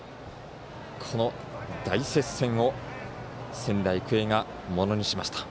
この大接戦を仙台育英がものにしました。